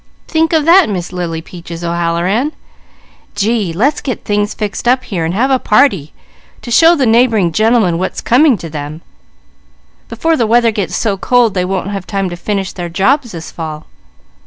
Think of that, Miss Lily Peaches O'Halloran! Gee, let's get things fixed up here and have a party, to show the neighbouring gentlemen what's coming to them, before the weather gets so cold they won't have time to finish their jobs this fall.